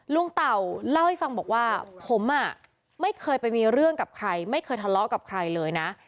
เต่าเล่าให้ฟังบอกว่าผมไม่เคยไปมีเรื่องกับใครไม่เคยทะเลาะกับใครเลยนะ